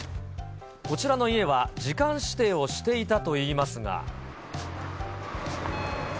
こちらの家は時間指定をしていたといいますが。